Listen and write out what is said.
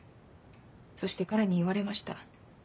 そして彼に言われました。